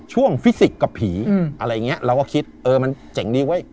ฟิสิกส์กับผีอะไรอย่างนี้เราก็คิดเออมันเจ๋งดีเว้ย